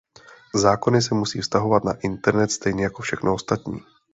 Zákony se musí vztahovat na internet stejně jako všechno ostatní.